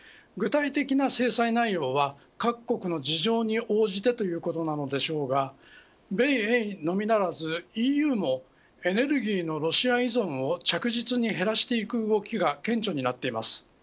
具体的な制裁内容は各国の事情に応じてということなのでしょうが米英のみならずＥＵのエネルギーのロシア依存を着実に減らす動きが顕著です。